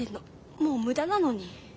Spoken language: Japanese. もう無駄なのに。